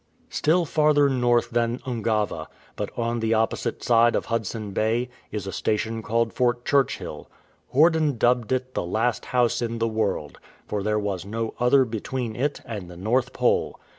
Still farther north than Ungava, but on the opposite side of Hudson Bay, is a station called Fort Churchill. Horden dubbed it " the last house in the world,'' for there \ras no other between it and the North Pole.